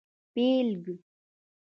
🦃 پېلک